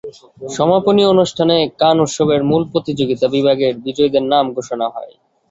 সমাপনী অনুষ্ঠানে কান উৎসবের মূল প্রতিযোগিতা বিভাগের বিজয়ীদের নাম ঘোষণা হয়।